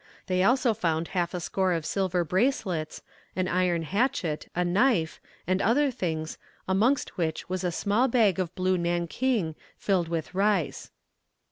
They also found half a score of silver bracelets, an iron hatchet, a knife, and other things, amongst which was a small bag of blue nankeen filled with rice.